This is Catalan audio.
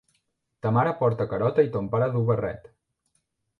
Ta mare porta carota i ton pare duu barret.